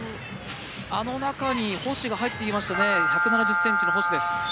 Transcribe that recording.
あの中に星が入っていきましたね、１７０ｃｍの星です。